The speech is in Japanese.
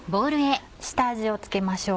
下味を付けましょう。